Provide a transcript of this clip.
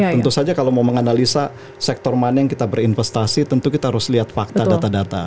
tentu saja kalau mau menganalisa sektor mana yang kita berinvestasi tentu kita harus lihat fakta data data